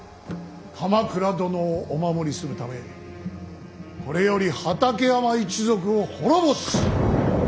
鎌倉殿をお守りするためこれより畠山一族を滅ぼす！